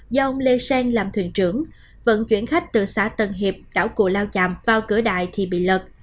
do ông lê seng làm thuyền trưởng vận chuyển khách từ xã tân hiệp đảo cụ lao chạm vào cửa đại thì bị lật